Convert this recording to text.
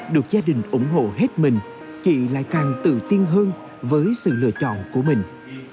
được gia đình ủng hộ hết mình chị lại càng tự tin hơn với sự lựa chọn của mình